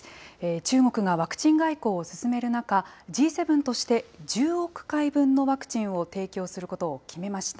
中国がワクチン外交を進める中、Ｇ７として１０億回分のワクチンを提供することを決めました。